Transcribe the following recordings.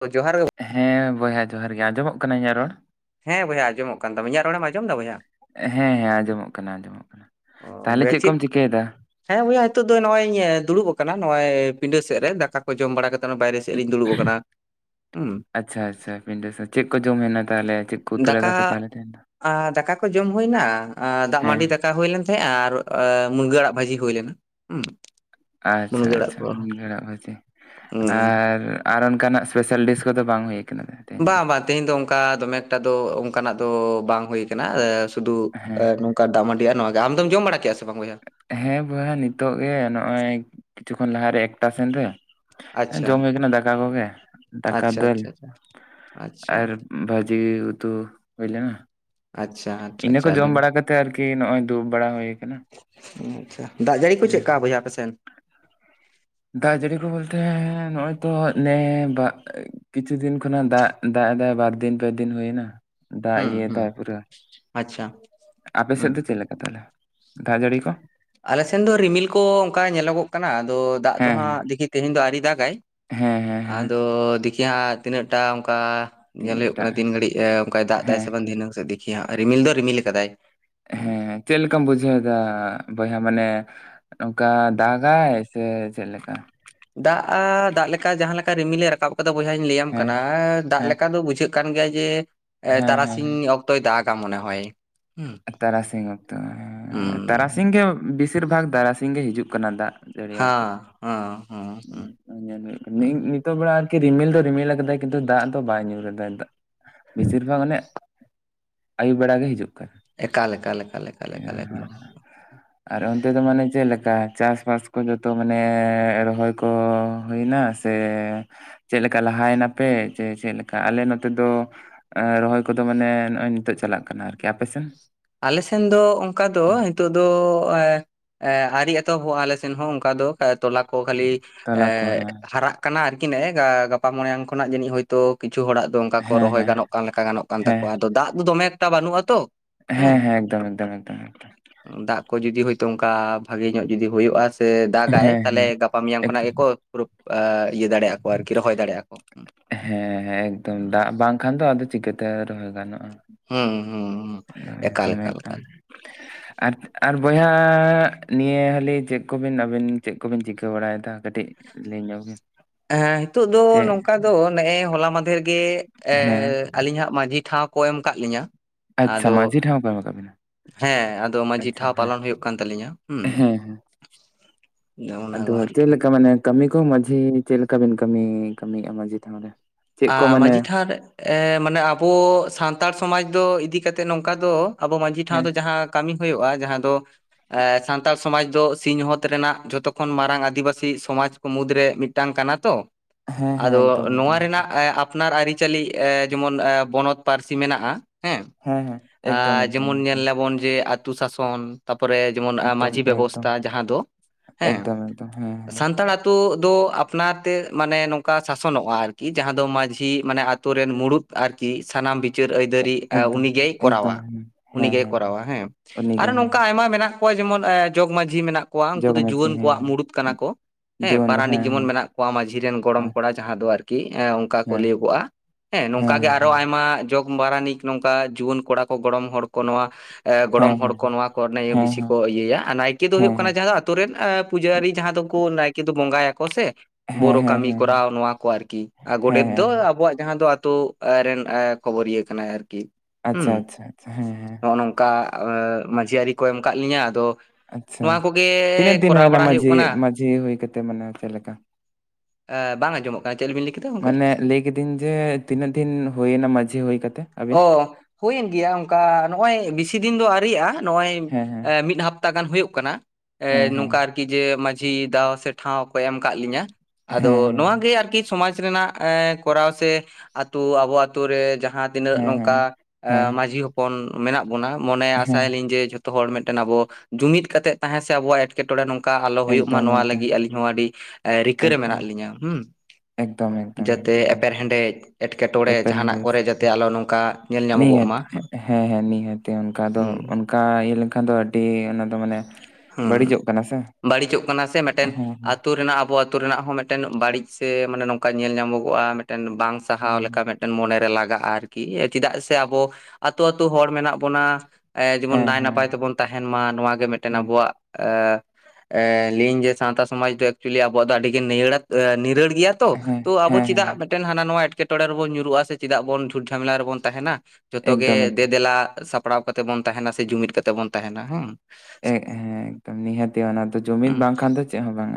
ᱛᱚ ᱡᱚᱦᱟᱨ ᱜᱮ ᱦᱮᱸ ᱵᱚᱭᱦᱟ ᱡᱚᱦᱟᱨ ᱜᱮ ᱟᱸᱡᱚᱢᱚᱜ ᱠᱟᱱᱟ ᱤᱧᱟᱹᱜ ᱨᱚᱲ ᱦᱮᱸ ᱵᱚᱭᱦᱟ ᱟᱡᱚᱜ ᱠᱟᱱ ᱛᱟᱢᱟ ᱤᱧᱟᱜ ᱨᱚᱲᱮᱢ ᱟᱡᱚᱢ ᱫᱟ ᱵᱚᱭᱦᱟ ᱦᱮᱸ ᱦᱮᱸ ᱟᱸᱡᱚᱢᱚᱜ ᱠᱟᱱᱟ ᱟᱸᱡᱚᱢᱚᱜ ᱠᱟᱱᱟ ᱚ ᱛᱟᱦᱚᱞᱮ ᱵᱚᱭᱟ ᱪᱮᱫ ᱠᱚᱢ ᱪᱤᱠᱟᱹᱭᱮᱫᱟ? ᱦᱮᱸ ᱵᱚᱭᱦᱟ ᱱᱤᱛᱚᱜ ᱫᱚ ᱱᱚᱜ-ᱚᱭ ᱤᱧ ᱫᱩᱲᱩᱵ ᱟᱠᱟᱱᱟ ᱱᱚᱜ-ᱚᱭ ᱯᱤᱸᱰᱟᱹ ᱥᱮᱫ ᱨᱮ ᱫᱟᱠᱟ ᱠᱚ ᱡᱚᱢ ᱵᱟᱲᱟ ᱠᱟᱛᱮ ᱪᱮᱫ ᱨᱤᱧ ᱫᱩᱲᱩᱵ ᱠᱟᱱᱟ ᱟᱪᱪᱷᱟ ᱟᱪᱪᱷᱟ ᱯᱤᱰᱟᱹ ᱥᱮ ᱪᱮᱫ ᱠᱚ ᱡᱚᱢ ᱦᱩᱭᱱᱟ ᱛᱟᱦᱚᱞᱮ ᱪᱮᱫ ᱠᱚ ᱩᱛᱩ ᱞᱮᱫᱟᱯᱮ ᱛᱟᱦᱚᱞᱮ ᱛᱮᱦᱮᱧ‌ ᱫᱚ ᱟᱨ ᱫᱟᱠᱟ ᱠᱚ ᱡᱚᱢ ᱦᱩᱭᱱᱟ ᱫᱟᱜ ᱢᱟᱹᱰᱤ ᱦᱮᱸ ᱫᱟᱠᱟ ᱦᱩᱭ ᱞᱮᱱ ᱛᱟᱦᱮᱸ ᱦᱮᱜ-ᱟ ᱟᱨ ᱢᱩᱱᱜᱟᱹ ᱟᱲᱟᱜ ᱵᱷᱟᱹᱡᱤ ᱦᱩᱭ ᱞᱮᱱᱟ ᱦᱩᱸ ᱟᱪᱪᱷᱟ ᱢᱩᱱᱜᱟᱹ ᱟᱲᱟᱜ ᱟᱪᱪᱷᱟ ᱠᱚ ᱢᱩᱱᱜᱟᱹ ᱟᱲᱟᱜ ᱵᱷᱟᱹᱡᱤ ᱦᱩᱸ ᱟᱨ ᱟᱨ ᱚᱱᱠᱟᱱᱟᱜ ᱥᱯᱮᱥᱟᱞ ᱰᱤᱥ ᱠᱚᱫᱚ ᱵᱟᱝ ᱦᱩᱭ ᱟᱠᱟᱱᱟ ᱵᱟᱝ ᱵᱟᱝ ᱛᱮᱦᱮᱧ ᱫᱚ ᱚᱱᱠᱟ ᱫᱚᱢᱮ ᱮᱠᱴᱟ ᱫᱚ ᱚᱱᱠᱟᱱᱟᱜ ᱫᱚ ᱵᱟᱝ ᱦᱩᱭ ᱠᱟᱱᱟ ᱥᱩᱫᱩ ᱦᱮᱸ ᱱᱚᱝᱠᱟ ᱫᱟᱜ ᱢᱟᱹᱰᱤ ᱟᱨ ᱱᱚᱣᱟᱜ ᱜᱮ ᱟᱢᱫᱚᱢ ᱡᱚᱢ ᱵᱟᱲᱟ ᱠᱮᱜ-ᱟ ᱥᱮ ᱵᱟᱝ ᱵᱚᱭᱦᱟ ᱦᱮᱸ ᱵᱚᱭᱦᱟ ᱱᱤᱛᱚᱜ ᱜᱮ ᱱᱚᱜ-ᱚᱭ ᱠᱤᱪᱷᱩ ᱠᱷᱚᱱ ᱞᱟᱦᱟᱨᱮ ᱮᱠᱴᱟ ᱥᱮᱱ ᱨᱮ ᱟᱪᱪᱷᱟ ᱡᱚᱢ ᱦᱩᱭ ᱠᱟᱱᱟ ᱫᱟᱠᱟ ᱠᱚᱜᱮ ᱫᱟᱠᱟ ᱟᱪᱪᱷᱟ ᱫᱟᱹᱞ ᱟᱪᱪᱷᱟ ᱟᱪᱪᱷᱟ ᱟᱪᱪᱷᱟ ᱟᱨ ᱵᱷᱟᱹᱡᱤ ᱩᱛᱩ ᱦᱩᱭᱞᱮᱱᱟ ᱟᱪᱪᱷᱟ ᱤᱱᱟᱹ ᱠᱚ ᱟᱪᱪᱷᱟ ᱟᱹᱰᱤ ᱡᱚᱢ ᱵᱟᱲᱟ ᱠᱟᱛᱮᱜ ᱟᱨᱠᱤ ᱱᱚᱜ-ᱚᱭ ᱫᱩᱲᱩᱵ ᱵᱟᱲᱟ ᱦᱩᱭ ᱠᱟᱱᱟ ᱟᱪᱪᱷᱟ ᱫᱟᱜ ᱡᱟᱹᱲᱤ ᱠᱚ ᱦᱮᱸ ᱪᱮᱫᱠᱟ ᱵᱚᱭᱦᱟ ᱟᱯᱮ ᱥᱮᱱ ᱫᱟᱜ ᱡᱟᱹᱲᱤ ᱠᱚ ᱵᱚᱞᱛᱮ ᱱᱚᱜ-ᱚᱭ ᱛᱚ ᱱᱮᱜ-ᱮ ᱵᱟᱜ ᱠᱤᱪᱷᱩ ᱫᱤᱱ ᱠᱷᱚᱱᱟᱜ ᱫᱟᱜ ᱫᱟᱜ ᱮ ᱫᱟᱭ ᱵᱟᱨ ᱫᱤᱱ ᱯᱮ ᱫᱤᱱ ᱦᱩᱭᱱᱟ ᱫᱟᱜ ᱦᱩᱸ ᱤᱭᱟᱹ ᱦᱩᱸ ᱫᱟᱭ ᱯᱩᱨᱟᱹ ᱟᱪᱪᱷᱟ ᱟᱯᱮ ᱥᱮᱫ ᱦᱩᱸ ᱫᱚ ᱪᱮᱫ ᱞᱮ ᱟ ᱛᱟᱦᱞᱮ ᱫᱟᱜ ᱡᱟᱹᱲᱤ ᱠᱚ ᱟᱞᱮᱥᱮᱱ ᱫᱚ ᱨᱤᱢᱤᱞ ᱠᱚ ᱚᱱᱠᱟ ᱧᱮᱞᱚᱜᱚᱜ ᱠᱟᱱᱟ ᱟᱫᱚ ᱫᱟᱜ ᱫᱚ ᱦᱮᱸ ᱦᱟᱸᱜ ᱫᱮᱠᱷᱤ ᱛᱮᱦᱮᱧ ᱫᱚ ᱟᱣᱨᱤ ᱫᱟᱜᱟᱭ ᱦᱮᱸ ᱦᱮᱸ ᱦᱮᱸ ᱟᱫᱚ ᱫᱮᱠᱷᱤ ᱦᱟᱸᱜ ᱛᱤᱱᱟᱹᱜᱴᱟ ᱚᱱᱠᱟ ᱧᱮᱞ ᱛᱤᱱᱟᱹᱜ ᱦᱩᱭᱩᱜ ᱴᱟᱜ ᱠᱟᱱᱟ ᱛᱤᱱ ᱜᱷᱟᱹᱲᱤᱡ ᱮ ᱚᱱᱠᱟᱭ ᱫᱟᱜ ᱮᱫᱟᱭ ᱥᱮ ᱦᱮᱸ ᱵᱟᱝ ᱫᱷᱤᱱᱟᱹᱝ ᱥᱮ ᱫᱤᱠᱠᱷᱤ ᱦᱟᱜ ᱨᱤᱢᱤᱞ ᱫᱚ ᱨᱤᱢᱤᱞ ᱠᱟᱫᱟᱭ ᱦᱮᱸ ᱪᱮᱫ ᱞᱮᱠᱟᱢ ᱵᱩᱡᱷᱟᱹᱣ ᱫᱟ ᱵᱚᱭᱦᱟ ᱢᱟᱱᱮ ᱚᱝᱠᱟ ᱫᱟᱜᱟᱭ ᱥᱮ ᱪᱮᱞᱮᱠᱟ ᱫᱟᱜ ᱟ ᱫᱟᱜ ᱞᱮᱠᱟ ᱡᱟᱦᱟᱸ ᱞᱮᱠᱟ ᱨᱤᱢᱤᱞᱮ ᱨᱟᱠᱟᱵ ᱟᱠᱟᱫᱟ ᱵᱚᱭᱦᱟᱧ ᱞᱟᱹᱭ ᱟᱢ ᱦᱮᱸ ᱠᱟᱱᱟ ᱫᱟᱜ ᱦᱮᱸ ᱞᱮᱠᱟ ᱫᱚ ᱵᱩᱡᱷᱟᱹᱜ ᱠᱟᱱᱟ ᱠᱟᱱ ᱜᱮᱭᱟ ᱡᱮ ᱦᱮᱸ ᱦᱮᱸ ᱛᱟᱨᱟᱥᱤᱧ ᱚᱠᱛᱚᱭ ᱫᱟᱜᱟ ᱢᱚᱱᱮ ᱦᱚᱭ ᱦᱩᱸ ᱛᱟᱨᱟ ᱥᱤᱧ ᱚᱠᱛᱚ ᱦᱩᱸ ᱛᱟᱨᱟ ᱥᱤᱧ ᱜᱮ ᱵᱤᱥᱤᱨ ᱵᱷᱟᱜᱽ ᱛᱟᱨᱟ ᱥᱤᱧ ᱜᱮ ᱦᱤᱡᱩᱜ ᱠᱟᱱᱟ ᱫᱟᱜ [unintelligible] ᱟᱨᱠᱤ ᱦᱟᱸ ᱦᱟᱸ ᱦᱟᱸ ᱦᱟᱸ ᱦᱟᱸ [unintelligible] ᱵᱮᱲᱟ ᱟᱨᱠᱤ ᱨᱤᱢᱤᱞ ᱫᱚ ᱨᱤᱢᱤᱞ ᱠᱟᱫᱟᱭ ᱠᱤᱱᱛᱩ ᱫᱟᱜ ᱫᱚ ᱵᱟᱭ ᱧᱩᱨ ᱞᱮᱫᱟᱭ ᱵᱮᱥᱤᱨ ᱵᱷᱟᱜᱽ ᱚᱱᱮ ᱟᱭᱩᱵ ᱵᱮᱲᱟ ᱜᱮ ᱦᱤᱡᱩᱜ ᱠᱟᱱ ᱮᱠᱟᱞ ᱮᱠᱟᱞ ᱮᱠᱟᱞ ᱮᱠᱟᱞ ᱮᱠᱟᱞ ᱮᱠᱫᱚᱢ ᱟᱨ ᱚᱱᱛᱮ ᱫᱚ ᱢᱟᱱᱮ ᱪᱮᱜ ᱞᱮᱠᱟ ᱪᱟᱥᱵᱟᱥ ᱠᱚ ᱡᱚᱛᱚ ᱢᱟᱱᱮ ᱨᱚᱦᱚᱭ ᱠᱚ ᱦᱩᱭᱱᱟ ᱥᱮ ᱪᱮᱫ ᱞᱮᱠᱟ ᱞᱟᱦᱟᱭ ᱱᱟᱯᱮ ᱥᱮ ᱪᱮᱫ ᱞᱮᱠᱟ ᱟᱞᱮ ᱱᱚᱛᱮ ᱫᱚ ᱨᱚᱦᱚᱭ ᱠᱚᱫᱚ ᱢᱟᱱᱮ ᱱᱚᱜᱼᱚᱭ ᱱᱤᱛᱳᱜ ᱪᱟᱞᱟᱜ ᱠᱟᱱᱟ ᱟᱨᱠᱤ ᱟᱯᱮ ᱥᱮᱱ ᱟᱞᱮ ᱥᱮᱱ ᱫᱚ ᱚᱱᱠᱟ ᱫᱚ ᱱᱤᱛᱚᱜ ᱫᱚ ᱟᱹᱣᱨᱤ ᱮᱛᱚᱦᱚᱵᱚᱜᱼᱟ ᱥᱮᱱ ᱦᱚᱸ ᱚᱱᱠᱟ ᱫᱚ ᱛᱚᱞᱟ ᱠᱚ ᱠᱷᱟᱹᱞᱤ ᱮ ᱛᱚᱞᱟ ᱠᱚ ᱦᱮᱸ ᱦᱟᱨᱟᱜ ᱠᱟᱱᱟ ᱟᱨᱠᱤ ᱱᱮᱜᱼᱮ ᱜᱟᱯᱟ ᱢᱮᱭᱟᱝ ᱠᱷᱚᱱᱟᱜ ᱡᱟᱹᱱᱤᱡ ᱦᱚᱭᱛᱳ ᱠᱤᱪᱷᱩ ᱦᱚᱲᱟᱜ ᱚᱱᱠᱟ ᱠᱚ ᱦᱮᱸ ᱨᱚᱦᱚᱭ ᱦᱮᱸ ᱜᱟᱱᱚᱜ ᱠᱟᱱ ᱞᱮᱠᱟ ᱜᱟᱱᱚᱜ ᱠᱟᱱ ᱦᱮᱸ ᱛᱟᱠᱚᱣᱟ ᱟᱫᱚ ᱫᱟᱜ ᱫᱚᱢᱮ ᱮᱠᱴᱟ ᱵᱟᱹᱱᱩᱜᱼᱟ ᱛᱚ ᱦᱮᱸ ᱦᱮᱸ ᱮᱠᱫᱚᱢ ᱮᱠᱫᱚᱢ ᱮᱠᱫᱚᱢ ᱮᱠᱫᱚᱢ ᱫᱟᱜ ᱠᱚ ᱡᱩᱫᱤ ᱦᱳᱭᱛᱳ ᱚᱱᱠᱟ ᱵᱷᱟᱜᱤ ᱧᱚᱜ ᱡᱩᱫᱤ ᱦᱩᱭᱩᱜᱼᱟ ᱥᱮ ᱫᱟᱜᱼᱟᱭ ᱦᱮᱸ ᱛᱟᱦᱚᱞᱮ ᱦᱮᱸ ᱜᱟᱯᱟ ᱢᱮᱭᱟᱝ ᱮᱠᱫᱚᱢ ᱠᱷᱚᱱᱟᱜ ᱜᱮᱠᱚ [unintelligible] ᱤᱭᱟᱹ ᱫᱟᱲᱮᱭᱟᱜᱼᱟ ᱠᱚ ᱟᱨᱠᱤ ᱨᱚᱦᱚᱭ ᱫᱟᱲᱮᱭᱟᱜᱼᱟ ᱠᱚ ᱦᱮᱸ ᱦᱮᱸ ᱮᱠᱫᱚᱢ ᱫᱟᱜ ᱵᱟᱝ ᱠᱷᱟᱱ ᱫᱚ ᱟᱫᱚ ᱪᱤᱠᱟᱹ ᱛᱮ ᱨᱚᱦᱚᱭ ᱜᱟᱱᱚᱜᱼᱟ ᱦᱩᱸ ᱦᱩᱸ ᱦᱩᱸ ᱮᱠᱫᱚᱢ ᱮᱠᱟᱞ ᱮᱠᱫᱚᱢ ᱮᱠᱟᱞ ᱮᱠᱫᱚᱢ᱾ ᱮᱠᱟᱞ ᱟᱨ ᱟᱨ ᱵᱚᱭᱦᱟ ᱱᱤᱭᱟᱹ ᱦᱟᱹᱞᱤ ᱪᱮᱫ ᱠᱚᱵᱤᱱ ᱟᱹᱵᱤᱱ ᱪᱮᱫ ᱠᱚᱵᱤᱱ ᱪᱤᱠᱟᱹ ᱵᱟᱲᱟᱭ ᱫᱟ ᱞᱟᱹᱭ ᱧᱚᱜᱽ ᱵᱤᱱ ᱦᱮᱸ ᱱᱤᱛᱚᱜ ᱫᱚ ᱪᱮᱫ ᱱᱚᱝᱠᱟ ᱫᱚ ᱱᱮᱜᱼᱮ ᱦᱚᱞᱟ ᱢᱟᱫᱷᱮᱨ ᱜᱮ ᱮ ᱦᱮᱸ ᱟᱹᱞᱤᱧᱟᱜ ᱢᱟᱹᱡᱷᱤ ᱴᱷᱟᱶ ᱠᱚ ᱮᱢ ᱟᱠᱟᱫ ᱞᱤᱧᱟᱹ ᱟᱫᱚ ᱟᱪᱪᱷᱟ ᱢᱟᱹᱡᱷᱤ ᱴᱷᱟᱶ ᱠᱚ ᱮᱢ ᱟᱠᱟᱫ ᱵᱤᱱᱟ ᱦᱮᱸ ᱟᱫᱚ ᱢᱟᱹᱡᱷᱤ ᱟᱪᱪᱷᱟ ᱴᱷᱟᱣ ᱦᱮᱸ ᱯᱟᱞᱚᱱ ᱦᱩᱭᱩᱜ ᱠᱟᱱ ᱛᱟᱞᱤᱧᱟ ᱦᱩᱸ ᱦᱮᱸ ᱦᱮᱸ ᱡᱮᱢᱚᱱ ᱟᱫᱚ [unintelligible] ᱪᱮᱫ ᱟᱨᱠᱤ ᱞᱮᱠᱟ ᱢᱟᱱᱮ ᱠᱟᱹᱢᱤ ᱠᱚ ᱢᱟᱹᱡᱷᱤ ᱪᱮᱫ ᱞᱮᱠᱟ ᱵᱤᱱ ᱠᱟᱹᱢᱤ ᱠᱟᱹᱢᱤᱭᱮᱫᱼᱟ ᱢᱟᱹᱡᱷᱤ ᱛᱷᱟᱱ ᱨᱮ ᱪᱮᱫ ᱠᱚ ᱢᱟᱱᱮ ᱢᱟᱹᱡᱷᱤ ᱛᱷᱟᱱ ᱨᱮ ᱢᱟᱱᱮ ᱟᱵᱚ ᱥᱟᱱᱛᱟᱲ ᱥᱚᱢᱟᱡᱽ ᱫᱚ ᱤᱫᱤ ᱠᱟᱛᱮᱫ ᱱᱚᱝᱠᱟ ᱫᱚ ᱟᱵᱚ ᱢᱟᱹᱡᱷᱤ ᱴᱷᱟᱶ ᱦᱮᱸ ᱫᱚ ᱡᱟᱦᱟᱸ ᱠᱟᱹᱢᱤ ᱦᱩᱭᱩᱜᱼᱟ ᱡᱟᱦᱟᱸ ᱫᱚ ᱥᱟᱱᱛᱟᱲ ᱥᱚᱢᱟᱡᱽ ᱫᱚ ᱥᱤᱧᱚᱛ ᱨᱮᱱᱟᱜ ᱡᱷᱚᱛᱚ ᱠᱷᱚᱱ ᱢᱟᱨᱟᱝ ᱟᱹᱫᱤᱵᱟᱹᱥᱤ ᱥᱚᱢᱟᱡᱽ ᱠᱚ ᱢᱩᱫᱽ ᱨᱮ ᱢᱤᱫ ᱴᱟᱝ ᱠᱟᱱᱟ ᱛᱚ ᱦᱮᱸ ᱦᱮᱸ ᱟᱫᱚ ᱮᱠᱫᱚᱢ ᱱᱚᱣᱟ ᱮᱠᱫᱚᱢ ᱮᱠᱫᱚᱢ ᱨᱮᱱᱟᱜ ᱟᱯᱱᱟᱨ ᱟᱹᱨᱤᱪᱟᱹᱞᱤ ᱡᱮᱢᱚᱱ ᱵᱚᱱᱚᱛ ᱯᱟᱹᱨᱥᱤ ᱢᱮᱱᱟᱜᱼᱟ ᱦᱮᱸ ᱦᱮᱸ ᱮᱠᱫᱚᱢ ᱮᱠᱫᱚᱢ ᱡᱮᱢᱚᱱ ᱧᱮᱞ ᱮᱠᱫᱚᱢ ᱞᱮᱵᱚᱱ ᱡᱮ ᱟᱹᱛᱩ ᱥᱟᱥᱚᱱ ᱛᱟᱯᱚᱨᱮ ᱡᱮᱢᱚᱱ ᱮᱠᱫᱚᱢ ᱢᱟᱹᱡᱷᱤ ᱮᱠᱫᱚᱢ ᱵᱮᱵᱚᱥᱛᱷᱟ ᱡᱟᱦᱟᱸ ᱫᱚ ᱦᱮᱸ ᱮᱠᱫᱚᱢ ᱮᱠᱫᱚᱢ ᱦᱮᱸ ᱦᱮᱸ ᱥᱟᱱᱛᱟᱲ ᱫᱚ ᱟᱯᱱᱟᱨ ᱛᱮ ᱢᱟᱱᱮ ᱱᱚᱝᱠᱟ ᱥᱟᱥᱚᱱᱚᱜᱼᱟ ᱟᱨᱠᱤ ᱡᱟᱦᱟᱸ ᱫᱚ ᱢᱟᱡᱷᱤ ᱢᱟᱱᱮ ᱟᱛᱩ ᱨᱮᱱ ᱢᱩᱲᱩᱛ ᱟᱨᱠᱤ ᱥᱟᱱᱟᱢ ᱵᱤᱪᱟᱹᱨ ᱮ- ᱟᱹᱭᱫᱟᱹᱨᱤ ᱮᱠᱫᱚᱢ ᱩᱱᱤ ᱜᱮᱭ ᱠᱚᱨᱟᱣ ᱟ ᱮᱠᱫᱚᱢ ᱦᱮᱸ ᱩᱱᱤ ᱦᱮᱸ ᱜᱮᱭ ᱠᱚᱨᱟᱣᱟ ᱦᱮᱸ ᱩᱱᱤᱜᱮ ᱟᱨᱚ ᱦᱮᱸ ᱱᱚᱝᱠᱟ ᱟᱭᱢᱟ ᱢᱮᱱᱟᱜ ᱱᱚᱜᱼᱚᱭ ᱡᱮᱢᱚᱱ ᱡᱚᱜᱽ ᱢᱟᱹᱡᱷᱤ ᱢᱮᱱᱟᱜ ᱠᱚᱣᱟ ᱩᱱᱠᱩ ᱡᱚᱜᱽ ᱫᱚ ᱢᱟᱺᱡᱷᱤ ᱡᱩᱣᱟᱹᱱ ᱦᱮᱸ ᱠᱚᱣᱟᱜ ᱢᱩᱲᱩᱫ ᱠᱟᱱᱟ ᱠᱚ ᱦᱮᱸ ᱡᱩᱣᱟᱹᱱ ᱜᱚ ᱯᱟᱨᱟᱱᱤᱠ ᱡᱮᱢᱚᱱ ᱦᱮᱸ ᱢᱮᱱᱟᱜ ᱠᱚᱣᱟ ᱢᱟᱹᱡᱷᱤ ᱨᱮᱱ ᱜᱚᱲᱚᱢ ᱠᱚᱲᱟ ᱡᱟᱦᱟᱸ ᱫᱚ ᱟᱨᱠᱤ ᱱᱚᱝᱠᱟ ᱠᱟ ᱦᱮᱸ ᱞᱟᱹᱭᱚᱜᱚᱜᱼᱟ ᱦᱮᱸ ᱱᱚᱝᱠᱟ ᱜᱮ ᱟᱨᱚ ᱟᱭᱢᱟ ᱡᱚᱠ ᱯᱟᱨᱟᱱᱤᱠ ᱱᱚᱝᱠᱟ ᱡᱩᱣᱟᱹᱱ ᱠᱚᱲᱟ ᱠᱚ ᱜᱚᱲᱚᱢ ᱦᱚᱲ ᱠᱚ ᱱᱚᱣᱟ ᱜᱚᱲᱚᱢ ᱦᱮᱸ ᱦᱮᱸ ᱦᱚᱲ ᱦᱮᱸ ᱠᱚ ᱱᱚᱣᱟ ᱠᱚ ᱦᱮᱸ ᱵᱤᱥᱤ ᱠᱚ ᱤᱭᱟᱹᱭᱟ, ᱱᱟᱭᱠᱮ ᱫᱚ ᱦᱩᱭᱩᱜ ᱦᱮᱸ ᱦᱮᱸ ᱠᱟᱱᱟ ᱡᱟᱦᱟᱸ ᱫᱚ ᱟᱛᱩ ᱨᱮᱱ ᱯᱩᱡᱟᱹᱨᱤ ᱡᱟᱦᱟᱸ ᱫᱚᱠᱚ ᱱᱟᱭᱠᱮ ᱫᱚ ᱵᱚᱸᱜᱟᱭᱟᱠᱚ ᱥᱮ ᱦᱮᱸ ᱵᱩᱨᱩ ᱦᱮᱸ ᱠᱟᱹᱢᱤ ᱦᱮᱸ ᱠᱚᱨᱟᱣ ᱱᱚᱣᱟ ᱠᱚ ᱟᱨᱠᱤ ᱟᱨ ᱦᱮᱸ ᱜᱚᱰᱮᱛ ᱫᱚ ᱦᱮᱸ ᱟᱵᱚᱣᱟᱜ ᱡᱟᱦᱟᱸ ᱫᱚ ᱟᱛᱩ ᱨᱮᱱ ᱠᱷᱚᱵᱚᱨᱤᱭᱟᱹ ᱠᱟᱱᱟᱭ ᱟᱨᱠᱤ ᱟᱪᱪᱷᱟ ᱟᱪᱪᱷᱟ ᱟᱪᱪᱷᱟ ᱦᱮᱸ ᱚᱱᱠᱟ ᱢᱟᱹᱡᱷᱤ ᱟᱹᱨᱤ ᱠᱚ ᱮᱢ ᱠᱟᱫ ᱞᱤᱧᱟᱹ ᱟᱫᱚ ᱟᱪᱪᱷᱟ ᱱᱚᱣᱟ ᱠᱚᱜᱮ ᱛᱤᱱᱟᱹᱜ ᱫᱤᱱ ᱠᱚᱨᱟᱣ ᱦᱩᱭᱱᱟ ᱵᱟᱲᱟ ᱦᱩᱭᱩᱜ ᱢᱟᱹᱡᱷᱤ ᱠᱟᱱᱟ ᱢᱟᱹᱡᱷᱤ ᱦᱩᱭ ᱠᱟᱛᱮ ᱢᱟᱱᱮ ᱪᱮᱞᱮᱠᱟ ᱵᱟᱝ ᱟᱸᱡᱚᱢᱚᱜ ᱠᱟᱱᱟ ᱪᱮᱫ ᱵᱤᱱ ᱞᱟᱹᱭ ᱠᱮᱫᱟ ᱜᱚᱝᱠᱮ ᱢᱟᱱᱮ ᱞᱟᱹᱭ ᱠᱤᱫᱤᱧ ᱡᱮ ᱛᱤᱱᱟᱹᱜ ᱫᱤᱱ ᱦᱩᱭᱮᱱᱟ ᱢᱟᱡᱷᱤ ᱦᱩᱭ ᱠᱟᱛ ᱚ ᱦᱩᱭᱮᱱ ᱜᱮᱭᱟ ᱚᱝᱠᱟ ᱱᱚᱜ-ᱚᱭ ᱵᱤᱥᱤ ᱫᱤᱱ ᱫᱚ ᱟᱣᱨᱤ ᱭᱟᱜ-ᱟ ᱱᱚᱚᱭ ᱦᱮᱸ ᱦᱮᱸ ᱢᱤᱫ ᱦᱟᱯᱛᱟ ᱜᱟᱱ ᱦᱩᱭᱩᱜ ᱠᱟᱱᱟ ᱦᱮᱸ ᱦᱮᱸ ᱱᱚᱝᱠᱟ ᱠᱤ ᱡᱮ ᱢᱟᱹᱡᱷᱤ ᱫᱟᱣ ᱥᱮ ᱴᱷᱟᱶ ᱠᱚ ᱮᱢ ᱠᱟᱜ ᱞᱤᱧᱟ ᱟᱫᱚ ᱦᱮᱸ ᱦᱮᱸ ᱱᱚᱣᱟ ᱜᱮ ᱟᱨᱠᱤ ᱥᱚᱢᱟᱡᱽ ᱨᱮᱱᱟᱜ᱾ ᱮᱸ ᱠᱚᱨᱟᱣ ᱥᱮ ᱟᱛᱩ ᱟᱵᱚ ᱟᱛᱳ ᱨᱮ ᱡᱟᱦᱟᱸ ᱛᱤᱱᱟᱹᱜ ᱦᱮᱸ ᱱᱚᱝᱠᱟ ᱦᱮᱸ ᱦᱮᱸ ᱢᱟᱹᱡᱷᱤ ᱦᱚ ᱯᱚᱱ ᱢᱮᱱᱟᱜ ᱵᱚᱱᱟ ᱢᱚᱱᱮ ᱦᱮᱸ ᱟᱥᱟᱭᱞᱤᱧ ᱡᱮ ᱡᱷᱚᱛᱚ ᱦᱚᱲ ᱢᱮᱴᱮᱱ ᱟᱵᱚ ᱡᱩᱢᱤᱛ ᱠᱟᱛᱮᱜ ᱛᱟᱦᱮᱸ ᱥᱮ ᱟᱵᱚᱣᱟ ᱮᱴᱠᱮᱴᱚᱬᱮ ᱱᱚᱝᱠᱟ ᱟᱞᱚ ᱦᱩᱭᱩᱜ ᱢᱟ ᱮᱠᱫᱚᱢ ᱱᱚᱣᱟ ᱮᱠᱫᱚᱢ ᱞᱟᱹᱜᱤ ᱟᱞᱤᱧ ᱦᱚᱸ ᱟᱹᱰᱤ ᱨᱤᱠᱟᱹ ᱨᱮ ᱢᱮᱱᱟᱜ ᱮᱠᱫᱚᱢ ᱞᱤᱧᱟ ᱦᱩᱸ ᱮᱠᱫᱚᱢ ᱮᱠᱫᱚᱢ ᱡᱟᱛᱮ ᱮᱠᱫᱚᱢ ᱮᱠᱫᱚᱢ ᱮᱯᱮᱨᱦᱮᱸᱰᱮᱡ ᱮᱴᱠᱮᱴᱚᱲᱮ ᱮᱠᱵᱟᱨᱮ ᱡᱟᱦᱟᱱᱟᱜ ᱠᱚᱨᱮ ᱵᱮᱥ ᱡᱟ ᱱᱤᱦᱟᱹᱛ ᱦᱮᱸ ᱦᱮᱸ ᱱᱤᱦᱟᱹᱛᱮ ᱚᱱᱠᱟ ᱫᱚ ᱦᱩᱸ ᱚᱱᱠᱟ ᱤᱭᱟᱹ ᱞᱮᱝᱠᱷᱟᱱ ᱫᱚ ᱴᱤ ᱚᱱᱟᱫᱚ ᱢᱟᱱᱮ ᱦᱩᱸ ᱵᱟᱹᱲᱤᱡᱚᱜ ᱠᱟᱱᱟ ᱥᱮ ᱵᱟᱹᱲᱤᱡᱚᱜ ᱠᱟᱱᱟ ᱥᱮ ᱢᱮᱴᱮᱱ ᱦᱮᱸ ᱦᱮᱸ ᱟᱹᱛᱩ ᱨᱮᱱᱟᱜ ᱟᱵᱚ ᱟᱛᱳ ᱨᱮᱱᱟᱜ ᱦᱚᱸ ᱢᱮᱱᱴᱮᱱ ᱵᱟᱹᱲᱤᱡ ᱥᱮ ᱢᱟᱱᱮ ᱱᱚᱝᱠᱟ ᱧᱮᱞ ᱧᱟᱢᱚ ᱜᱚᱜ-ᱟ ᱢᱮᱱᱴᱮᱱ ᱵᱟᱝ ᱥᱟᱦᱟᱣ ᱞᱮᱠᱟ ᱢᱮᱱ ᱴᱮᱱ ᱢᱚᱱᱮᱨᱮ ᱞᱟᱜᱟᱜ ᱟᱨᱠᱤ ᱪᱮᱫᱟᱜ ᱥᱮ ᱟᱵᱚ ᱟᱛᱳ ᱟᱛᱳ ᱦᱚᱲ ᱢᱮᱱᱟᱜ ᱵᱚᱱᱟ ᱮ ᱡᱮᱢᱚᱱ ᱦᱮᱸ ᱱᱟᱭ ᱱᱟᱯᱟᱭ ᱦᱮᱸ ᱛᱮᱵᱚᱱ ᱛᱟᱦᱮᱱ ᱢᱟ ᱱᱚᱣᱟᱜ ᱜᱮ ᱢᱮᱴᱮᱱ ᱦᱮᱸ ᱟᱵᱚᱣᱟᱜ ᱮᱻ ᱮᱻ ᱞᱤᱧ ᱜᱮ ᱥᱟᱶᱛᱟ ᱥᱚᱢᱟᱡᱽ ᱫᱚ ᱮᱠᱪᱩᱭᱞᱤ ᱟᱵᱚᱣᱟᱜ ᱫᱚ ᱟᱹᱰᱤ ᱜᱮ ᱱᱤᱭᱟᱹᱲᱟ ᱱᱤᱨᱟᱸᱲ ᱜᱮᱭᱟ ᱛᱚ ᱦᱮᱸ ᱛᱚ ᱟᱵᱚ ᱦᱮᱸ ᱪᱮᱫᱟᱜ ᱦᱮᱸ ᱢᱮᱱᱴᱮᱱ ᱦᱟᱱᱟ ᱱᱚᱣᱟ ᱮᱴᱠᱮᱴᱚᱲᱮ ᱨᱮᱵᱚᱱ ᱧᱩᱨᱩᱜ-ᱟ ᱥᱮ ᱪᱮᱫᱟᱜ ᱵᱚᱱ ᱡᱷᱩᱴ ᱡᱷᱟᱢᱮᱞᱟ ᱨᱮ ᱵᱚᱱ ᱛᱟᱦᱮᱱᱟ ᱡᱷᱚᱛᱚ ᱜᱮ ᱮᱠᱫᱚᱢ ᱫᱮ ᱮᱠᱫᱚᱢ ᱫᱮᱞᱟ ᱥᱟᱯᱲᱟᱣ ᱠᱟᱛᱮ ᱵᱚᱱ ᱛᱟᱦᱮᱱᱟ ᱥᱮ ᱡᱩᱢᱤᱫ ᱠᱟᱛᱮ ᱵᱚᱱ ᱛᱟᱦᱮᱱᱟ ᱦᱩᱸ ᱮᱜ ᱦᱮᱸ ᱮᱠᱫᱚᱢ ᱱᱤᱦᱟᱹᱛᱤ ᱚᱱᱟ ᱫᱚ ᱡᱩᱢᱤᱫ ᱦᱩᱸ ᱵᱟᱝᱠᱷᱟᱱ ᱫᱚ ᱪᱮᱜ ᱦᱚᱸ ᱵᱟᱝ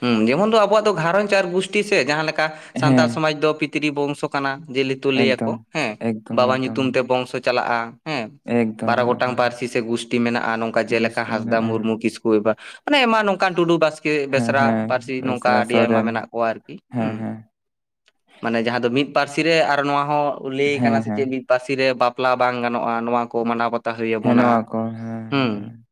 ᱦᱩᱸ ᱡᱮᱢᱚᱱ ᱫᱚ ᱟᱵᱚᱣᱟᱜ ᱫᱚ ᱜᱷᱟᱨᱚᱸᱡᱽ ᱟᱨ ᱜᱩᱥᱴᱤ ᱥᱮ ᱡᱟᱦᱟᱸᱞ ᱞᱮᱠᱟ ᱥᱟᱱᱛᱟᱲ ᱦᱮᱸ ᱥᱚᱢᱟᱡᱽ ᱫᱚ ᱯᱤ ᱛᱨᱤ ᱵᱚᱝᱥᱚ ᱠᱟᱱᱟ ᱡᱮᱞᱮᱛᱩ ᱞᱟᱹᱭᱟᱠᱚ ᱮᱠᱫᱚᱢ ᱦᱮᱸ ᱮᱠᱫᱚᱢ ᱵᱟᱵᱟ ᱮᱠᱫᱚᱢ ᱧᱩᱛᱩᱢ ᱛᱮ ᱵᱚᱝᱥᱚ ᱪᱟᱞᱟᱜ-ᱟ᱾ ᱦᱮᱸ ᱮᱠᱫᱚᱢ ᱵᱟᱨᱚ ᱜᱚᱴᱟᱝ ᱯᱟᱨᱥᱤ ᱥᱮ ᱜᱩᱥᱴᱤ ᱢᱮᱱᱟᱜ-ᱟ ᱱᱚᱝᱠᱟ ᱡᱮᱞᱮᱠᱟ ᱜᱩᱥᱴᱤ ᱦᱟᱸᱥᱫᱟ ᱢᱮᱱᱟᱜᱼᱟ ᱢᱩᱨᱢᱩ ᱠᱤᱥᱠᱩ ᱢᱟᱱᱮ ᱮᱢᱟᱱ ᱱᱚᱝᱠᱟᱱ ᱴᱩᱰᱩ ᱵᱟᱥᱠᱮ ᱦᱮᱸ ᱵᱮᱥᱨᱟ ᱦᱮᱸ ᱯᱟᱨᱥᱤ ᱱᱚᱝᱠᱟ ᱵᱮᱥᱨᱟ ᱟᱹᱰᱤ ᱟᱭᱢᱟ ᱥᱚᱨᱮᱱ ᱢᱮᱱᱟᱜ ᱠᱚᱣᱟ ᱟᱨᱠᱤ ᱦᱩᱸ ᱦᱮᱸ ᱦᱮᱸ ᱢᱟᱱᱮ ᱡᱟᱦᱟᱸ ᱫᱚ ᱢᱤᱫ ᱯᱟᱨᱥᱤ ᱨᱮ ᱟᱨ ᱱᱚᱣᱟ ᱦᱚᱸ ᱞᱟᱹᱭᱠᱟᱱᱟ ᱦᱮᱸ ᱥᱮ ᱦᱮᱸ ᱪᱮᱫ ᱢᱤᱫ ᱯᱟᱨᱥᱤ ᱨᱮ ᱵᱟᱯᱞᱟ ᱵᱟᱝ ᱜᱟᱱᱚᱜ-ᱟ ᱱᱚᱣᱟ ᱠᱚ ᱢᱟᱱᱟᱣ ᱵᱟᱛ ᱛᱟᱣ ᱛᱟᱦᱮᱱ ᱦᱮᱸ ᱟᱵᱚᱱᱟ ᱱᱚᱣᱟ ᱠᱚ ᱦᱮᱸ ᱦᱩᱸ ᱦᱮᱸ